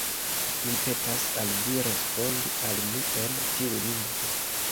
Mi petas al vi respondi al mi en tiu lingvo.